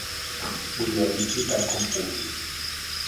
Idealitzi tant com pugui.